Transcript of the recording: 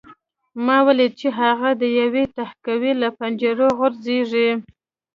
ما ولیدل چې هغه د یوې تهکوي له پنجرو غږېږي